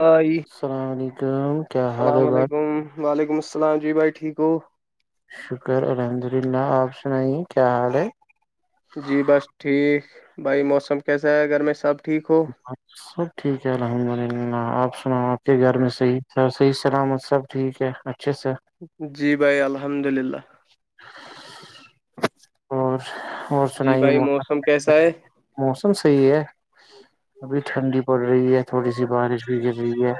ہائے السلام علیکم کیا حال ہے السلام بھائی علیکم وعلیکم السلام جی بھائی ٹھیک ہو شکر الحمد للہ آپ سنائییں کیا حال ہے جی بس ٹھیک بھائی موسم کیسا ہے ا گگر میں سب ٹھیک ہو اچ سب ٹھیک ہے الحمد للہ آپ سنا آپ کے گھر میں صحیح س صحیح سلامت سب ٹھیک ہے اچھا سر جی بھائی الحمد للہ اور اور جی سنائیے بھائی مو- موسم کیسا ہے موسم صحیح ہے ابھی ٹھنڈی پڑ رہی ہے تھوڑی سی بارش بھی گر رہی ہے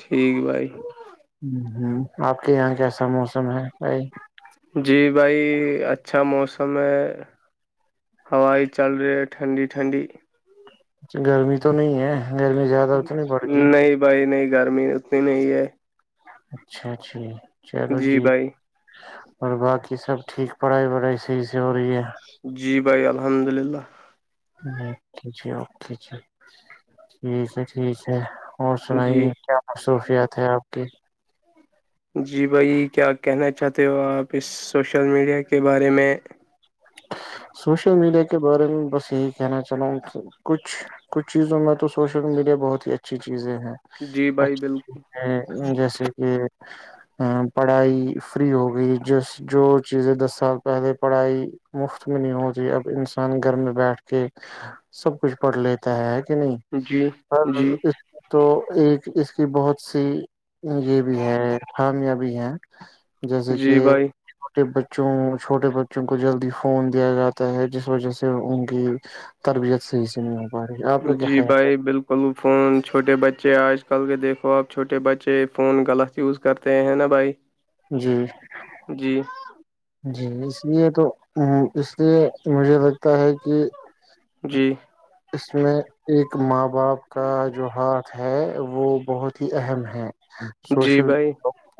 ٹھیک بھائی ہ ہ آپ کے یہاں کیسا موسم ہے بھائی جی بھائی اچھا موسم ہے ہوائی چل رہی ہے ٹھنڈی ٹھنڈی اچ گرمی تو نہیں ہے گرمی زیادہ تو نہیں پڑ گی نہیں بھائی نہیں گرمی اتنی نہیں ہے اچھا جی چلو جی اور باقی سب ٹھیک پڑھائی وڑھائی صحیح سے ہو رہی ہے جی بھائی الحمد للہ اکے جی اوکے جی ٹھ ہے ٹھیک ہے اور جی سنائیے کیا مصروفیات ہے آپ کی جی بھائی کیا کہنا چاہتے ہو آپ اس سوشل میڈیا کے بارے میں سوشل میڈیا کے بارے میں بس یہی کہنا چلا ہوں کہ کچھ کچھ چیزوں میں تو سوشل میڈیا بہت ہی اچھی چیزیں ہیں جی بھائی اچھے چیز بالکل ہیں جیسے کہ پڑھائی فری ہوگئی جس جو چیزیں دس سال پہلے پڑھائی مفت میں نہیں ہوتی اب انسان گھر میں بیٹھ کے سب کچھ پڑھ لیتا ہے کہ نہیں جی ہاں جی ہاں تو ایک اس کی بہت سی یہ بھی ہے خامیاں بھی ہیں جیسے کہ جی بھائی چھوٹے بچوں چھوٹے بچوں کو جلدی ہو فون دیا جاتا ہے جس وجہ سے ان کی تربیعت صحیح سے نہیں ہوتی جی بھائی بالکل بلو فون چھوٹے بچے آج کل کے دیکھو آپ چھوٹے بچے فون غلط یوز کرتے ہیں نا بھائی جی جی جی اس لیے تو اس لیے مجھے لگتا ہے کہ جی اس میں ایک ماں باپ کا جو ہاتھ ہے وہ بہت ہی اہم ہے جی سوشل بھائی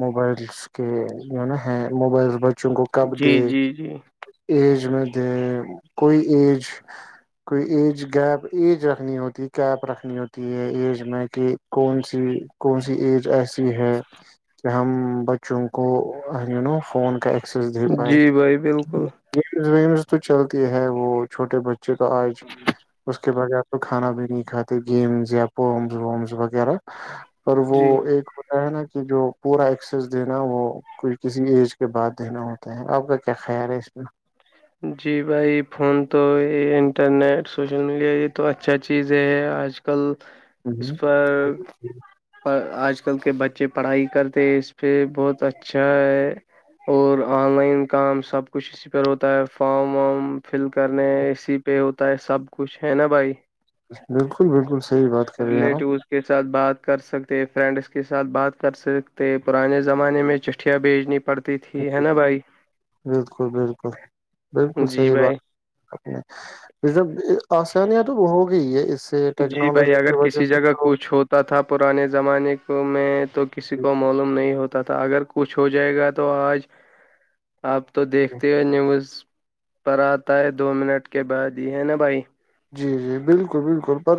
موبائلس کے جو ہے نا ہے موبائل چنگو کب د جی جی جی ایج میں د کوئی ایج کوئی ایج گیپ ایج رکھنی ہوتی کیپ رکھنی ہوتی ہے ایج میں کہ کون سی کون سی ایج ایسی ہے کہ ہم بچوں کو یو نو فون کا س دی پائے جی بھائی بالکل وس تو چلتی ہے وہ چھوٹے بچے تو آج اس کے بعد آپ تو کھانا بھی نہیں کھاتے گیمز یا پمس ومس وغیرہ پر وہ جی ایک ہوتا ہے نا کہ جو پورا ایکسیس دینا وہ کوھ کسی ایج کے بعد دنا ہوتا ہے آپ کا کیا خیال ہے اس میں جی بھائی فون تو یہ انٹرنیٹ سوشل میڈیا یہ تو اچھا چیز ہے آج کل اس پر پر آج کل کے بچے پڑھائی کرتے اس پہ بہت اچھا ہے اور آن لائن کام سب کچھ اسی پ ہوتا ہے فارام وام فل کرنے اسی پہ ہوتا ہے سب کچھ ہے نا بھائی بالکل بالکل س ریلیٹیوس کے ساتھ بات کر سکتے فرینڈس کے ساتھ بات کر سکتے پرانے زمانے میں چٹھیاں بھیجنی پڑتی تھی ہے نا بھائی بالکل بالکل بالکل جی صحیح بھائی بات ب آسانیاں تو ہوگی ہے اس سے جی بھائی ٹیکنالوجی کی اگر وجہ کسی سے جگہ تو کچھ ہو تو تھا پرانے زمانے میں تو کسی کو معلوم نہیں ہوتا تھا اگر کچھ ہو جائے گا تو آج آپ تو دیکھتے ہو نیوز پر آتا ہے دو منٹ کے بعد یہ ہے نا بھائی جی جی بالکل بالکل پر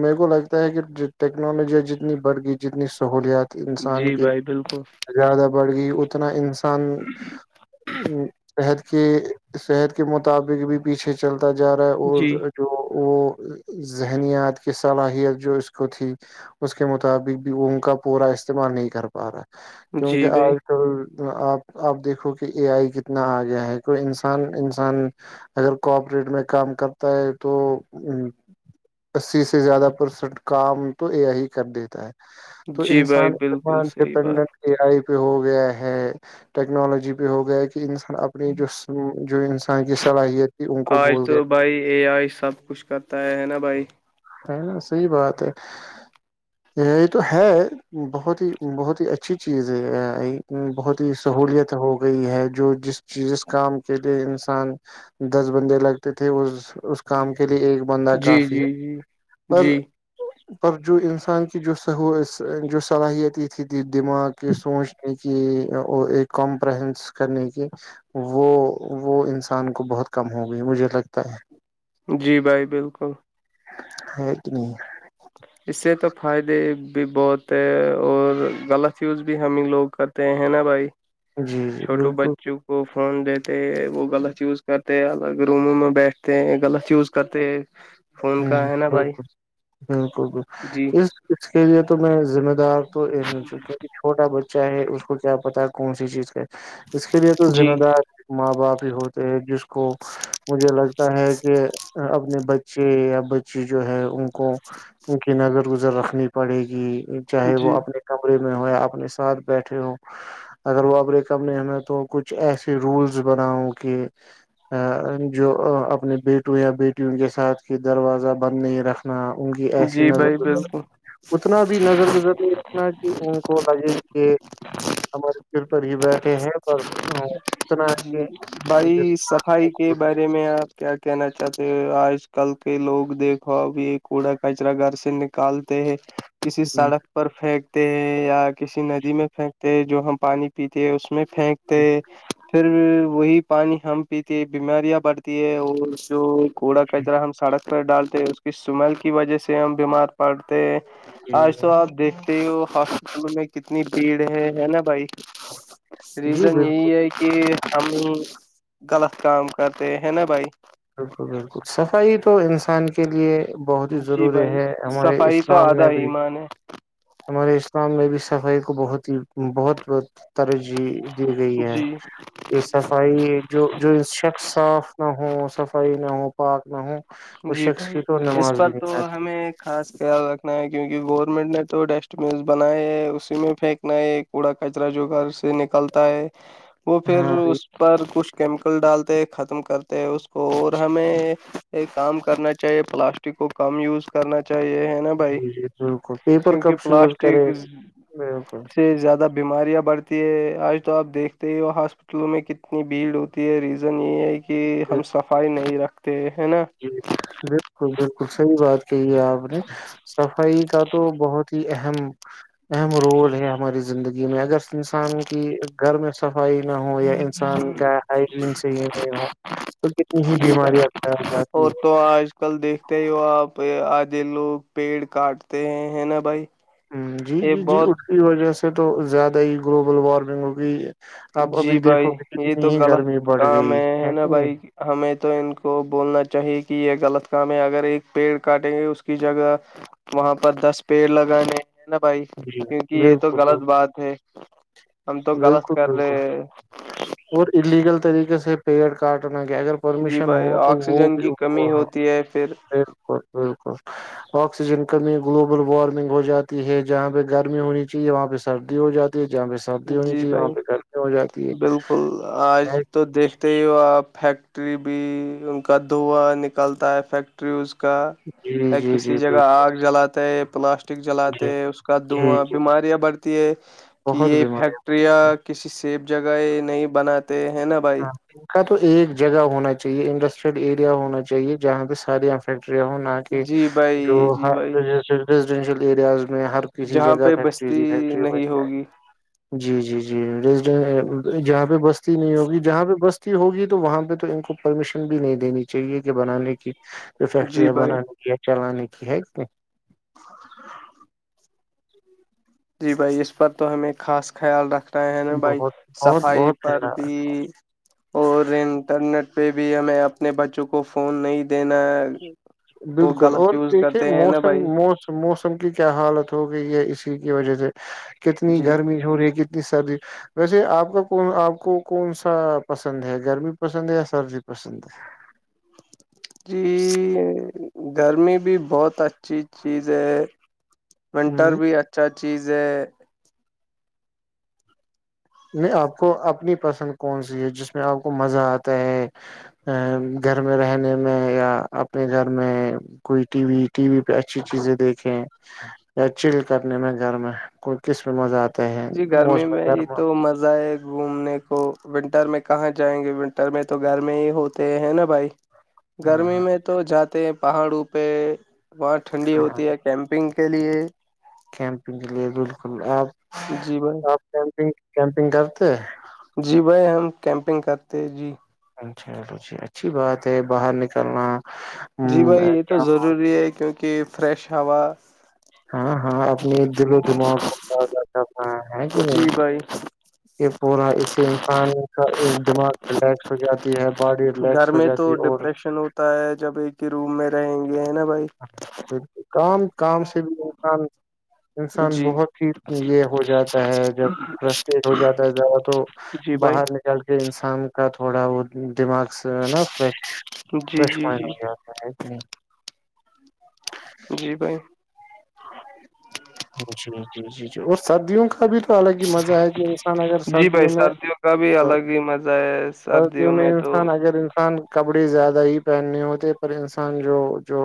میرے کو لگتا ہے کہ ٹیکنالوجیاں جتنی بڑھ گئی جتنی سہولیات انسان جی کی بھائی بالکل زیادہ بڑھ گئی اتنا انسان صحت کے صحت کے مطابق بھی پیچھے چلتا جا رہا ہے جی اور جو وہ ذہنییات کی صلاحیت جو اس کو تھی اس کے مطابق بھی ان کا پورا استعمال نہیں کر پا رہا کیونکہ جی بھائی آج چ آپ آپ دیکھو کہ اے آئی کتنا آ گیا ہے کو انسان انسان اگر کوپریٹ میں کام کرتا ہے تو اسی سے زیادہ پرسینٹ کام تو ا آ ہی کر دیتا ہے تو جی بھائی انسان بالکل اتنا صحیح بات ڈپینڈنٹ اے آئی پہ ہو گیا ہے ٹیکنالوجی پہ ہو گیا کہ انسان اپنی جو جو انسان کی صلاحیت تھی ان کو آج بھول گئے تو اے آئی سب کچھ کرتا ہے ہے نا بھائی ہے نا صحی بات ہے یہ یہ تو ہے بہت ہی بہت ہی اچھی چیز ہے بہت ہی سہولت ہو گئی ہے جو جس جس کام کے لیے انسان دس بندے لگتے تھے اس اس کام کے لیے ایک بندہ جی کافی جی ہے جی پر جی پر جو انسان کی جو جو صلاحیتی دماغ کے سوچنے کی ایک کمپرنس کرنے کی وہ وہ انسان کو بہت کم ہو گئی مجھے لگتا ہے جی بھائی بالکل ایک کہ نہیں اس سے تو فائدے بھی بہت ہے اور غلط یوز بھی ہمیں لوگ کا تو ہیں نا بھائی جی جی چھوٹو بالکل بچوں وہ فون لیتے وہ غلط یوز کرتے الگ روموں میں بیٹھتے ہیں غلط یوز کرتے فون کا ہے نا ہ بھائی بالکل بالکل جی اس اس کے لیے تو میں ذمہ دار تو چھوٹا بچہ ہے اس کو کیا پتا کون سی چیز کا اس کے لیے تو جی ذمہ دار ماں باپ ہی ہوتے جس کو مجھے لگتا ہے کہ اپنے ب بچے یا بچی جو ہے ان کو ان کی نظر گزر رکھنی پڑے گی چاہے وہ جی اپنے کمرے میں ہو یا اپنے ساتھ بیٹھے ہو اگر وہ اپریک اپ نے ہمیں تو کچھ ایسے رولز بناؤں کہ ا جو اپنے بیٹوں یا بیٹیوں کے ساتھ کی دروازہ بند نہیں رکھا نہ ان کی ایسی جی نظر بھائی وذر بالکل اتنا بھی نظر گزر نہیں رکھنا کہ ان کو لگے کہ ہمارے سل پر ہی بیٹھے ہیں پر جی کہ بائی صفائی کے بار ے میں آپ کیا کہنا چاہتے ہو آج کل کے لوگ دیکھو اب یہ کوڑا کچرا گھر سے نک کل ت کسی سڑک پر پھینکتے ہیں یا کسی ندی میں پھینکتے ہیں جو ہم پانی پیتے ہے اس میں پھینکتے پھر وہی پانی ہم پیتے ہیں بیماریاں بڑھتی ہے اور جو کوڑا کچرا ہم سڑک پر ڈالتے اس کی سمیل کی وجہ سے ہم بیمار پڑھتے ہیں آج تو آپ دیکھتے ہو ہو ہاسپٹل میں کتنی بھیڑ ہے ہے نا بھائی جی ریزن بالکل یہی ہے کہ کہ ہم غلط کام کرتے ہیں نا بھائی بالکل بالکل صفائی تو انسان کے کے لیے بہت ہی ضروری ہے ہمارے اسلام میں بھی م نے ہمارے اسلام میں بھی صفائی کو بہت ہی بہت ب ترجیح دی گئی ہے جی کہ صفائی جو جو شخص صاف نہ ہو صفائی نہ ہو پارک نہ ہو اس جی شخص بھائی کی تو اس نماز بھی پر تو نہیں آتی ہمیں خاص خیال رکھنا ہے کیونکہ گورنمنٹ نے تو ڈسٹ بین بنائے ہے اسی میں پھینکنا ہے پڑا کچرا جو گھر سے نکلتا ہے وہ پھر ہاں اس پر کچھ کیمیکل ڈالتے ختم کرتے اس اور جی ہمیں کام کرنا چاہیے پلاسٹک کو کم یوز کرنا چاہیے ہے نا بھائی جی بالکل پیپر کیونکہ کپس یوز کرے پلاسٹک بالکل سے زیادہ بیماریاں بڑھتی ہے آج تو آپ دیکھتے ہی ہو ہاسپٹلوں میں کتنی بھیڑ ہوتی ہے ریز رن یہ ہے کہ ہم صفائی نہیں رکھتے ہیں نا جی بالکل بالکل صحیح بات کہ آپ نے صفائی کا تو بہت ہی اہم اہم رول ہے ہماری زندگی میں اگر انسان کی گھر میں صفائی نہ ہو یا انسان کیا ہائجین سے ہی نہیں ہو تو کتنی ہی جی بھائی بیماریاںتا اور تو آ آج کل دیکھتے ہی ہو آپ آھے لوگ پیڑ کاٹتے ہیں ہیں نا بھائی ہ جی یہ جی جی بہت اس کی وجہ سے تو زیادہ ہی گلوبل وارمنگ ہوگئی آپ ابھی جی دیکھو بھائی گے یہ کتنی تو ہی گرمی غلط بڑھ کام گئی ہے نا کہ نہیں بھائی ہمیں تو ان کو بولنا چاہیے کہ یہ غلط کام ہے اگر ایک پیڑ کاٹیں گے اس کی جگہ وہاں پر دس پیڑ لگانے ہیں نا بھائی جی کیونکہ یہ تو بالکل غلط بالکل بات ہے ہم تو غلط بالکل کر بالکل رہے ہیں اور الیگل طریقے سے پیڑ کاٹنا کیا اگر جی پرمیشن بھائی ہو تو وہ آکسیجن بھی کی کمی وہ ہوتی ہے پھر بالکل بالکل آکسیجن کمی گلوبل وارمنگ ہو جاتی ہے جہاں پہ گرمی ہونی چاہیے وہاں پہ سردی ہو جاتی ہے جہاں پ جی بھائی بالکل آج ہے تو دیکھ ت فیکٹری بھی ان کا دھواں نکلتا ہے فیکٹری ز کا جی جی کسی جی جگہ بالکل آگ جلاتا ہے پلاسٹک پک جلاتے جی اس کا جی دھواں جی بیماریاں بڑھتی ہے کہ بہت یہ ٹیا بیماریاں کسی سیب جگہ نہیں بناتے ہیں نا بھائی ہاں ان کا تو ایک جگہ ہونا چاہیے انڈسٹریل ایریا ہونا چاہیے جہاں پہ ساریا فیکٹریاں ہونا جی جو بھائی جی بھائی جیسے ریزڈینشیل ایریاز میں ہر کسی جہاں جگہ پہ فیکٹری بستی دی فیکٹری بن نہیں جائے ہوگی جی جی جی ری جہاں پہ بستی نہیں ہوگی جہاں پہ بستی ہوگی تو وہاں پہ تو ان کو پرمیشن بھی نہیں دینی چاہیے کہ بنانے کی جی فیکٹریاں بھائی بنانے کی چلانے کی ہے اس جی بھائی اس پر تو ہمیں خاص خیال رکھناے ہے نا بھائی بہت بہت صفائی بہت پر خیال بھی اور انٹرنیٹ پہ بھی ہمیں اپنے بچوں کو فون نہیں دینا ہے بالکل اور دیکھیے موسم بھائی موسم موسم کی کیا حالت ہوگئی اسی کی وجہ سے کتنی جی گرمی ہو رہی ہے جی سر ج ویسے آپ کا کون آپ کو کون سا پسند ہے گرمی پسند ہے یا سردی پسند ہے جی گرمی بھی بہت اچھی چیز ہے ونٹر ہ بھی اچھا چیز ہے نہیں آپ کو اپنی پسند کون سی ہے جس میں آپ کو مزہ آتا ہے ا گھر میں رہنے میں یا اپنے گھر میں کوئی ٹی وی ٹی وی پہ اچھی چیزیں دیکھیں یا چل کرنے میں گھر میں کوئی کس میں مزہ آتا ہے جی گرمی موسم میں ہی گرم تو مزہ ہے گھومنے کو ونٹر میں کہاں جائیں گے ونٹر ٹر میں تو گر میں ہی ہوتے ہیں نا بھائی ہاں گرمی ہاں میں تو جاتے ہیں پہاڑوں پہ بہت ٹھنڈی ہاں ہوتی ہے کیمپنگ کے لیے کیمپنگ کے لیے بالکل آپ جی بھائی کیمپگ کیمپنگ کرتے جی بھائی ہم کیمپنگ کرتے جی چلو جی اچھی بات ہے باہر نکلنا جی بھائی یہ تو ضروری ہے کیونکہ فریش ہوا ہاں ہاں آپنی د د کیاے جی بھائی یہ پورا اس سے انسان کا دماغ ریلیکس ہو جاتا تی ہے باڈی گھر ریلیکس ہو میں جاتی تو ہے اور ڈپریشن ہوتا ہے جب ایک ہی روم میں رہیں گے ہیں نا بھائی کام کام سے بھی انسان انسان جی بہت ہی یہ ہو جاتا ہے جب فرسریڈ ہو جاتا ہے زیادہ تو جی بھائی باہر ن چل کے انسان کا تھوڑا وہ دماغ سے نا فریش جی فریش جی مائنڈ ہو جی جاتا نہیں جی بھائی جی جی جی جی اور سدیوں کا بھی تو الگ ہی مزہ ہے کہ انسان اگر جی بھائی سردیوں میں کا بھی الگ ہی مزہ ہے ہرقیوں سردیوں میں تو انسان اگر انسان کپڑے زیادہ ہی پہننے ہوتے پر انسان جو جو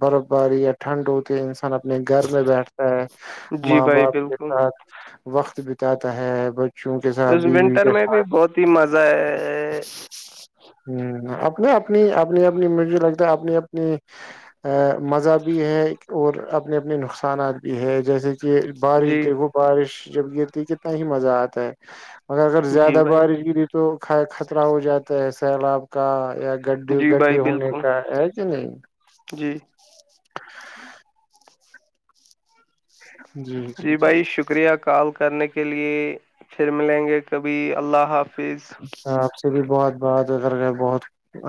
برف باری یا ٹھنڈ ہوتی کہ انسان اپنے گھر میں بیٹھتا ہے جی ماں بھائی باپ کے بالکل ساتھ وقت بتاتا ہے بچوں کے ساتھ بیوی کے ساتھ اتی مزہ ہے ہ اپنا اپنی اپنی اپنی مرضی لگتا ہے اپنی اپنی ا مزہ بھی ہے اور اپنے اپنے نقصانات بھی ہے جیسے کہ یہ جی بارش وہ بارش جب گرتی ہے کتنا ہی مزہ آتا ہے مگر اگر جی زیادہ بھائی بارش گ ت تو کائے خطرہ ہو جاتا ہے سیلاب کا یا گڈے جی بھائی گڈے ہونے بالکل کا ہے کہ نہیں جی جی بھائی شکریہ کال کرنے کے لیے پھر ملیں گے کبھی اللہ حاف آپ سے بھی بہت بہات ادر گ بہت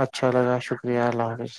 اچھا لگا شکریہ اللہ حافظ